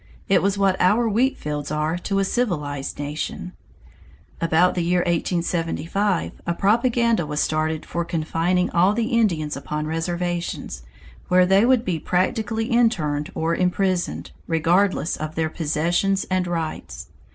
It was what our wheat fields are to a civilized nation. About the year 1875, a propaganda was started for confining all the Indians upon reservations, where they would be practically interned or imprisoned, regardless of their possessions and rights.